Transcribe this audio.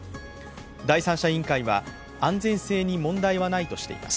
第三者委員会は安全性に問題はないとしています。